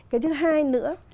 cái thứ hai nữa